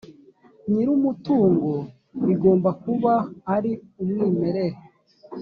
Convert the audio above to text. nyir umutungo bigomba kuba ari umwimerere